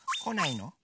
こないの？